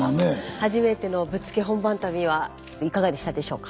初めてのぶっつけ本番旅はいかがでしたでしょうか？